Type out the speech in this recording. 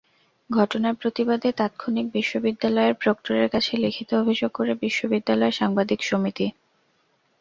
ঘটনার প্রতিবাদে তাৎক্ষণিক বিশ্ববিদ্যালয়ের প্রক্টরের কাছে লিখিত অভিযোগ করে বিশ্ববিদ্যালয় সাংবাদিক সমিতি।